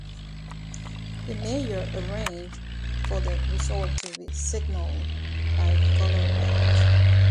The mayor arranged for the result to be signalled by coloured rockets.